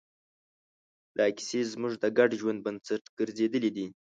دا کیسې زموږ د ګډ ژوند بنسټ ګرځېدلې دي.